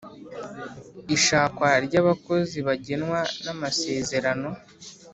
ishakwa ryabakozi bagenwa namasezerano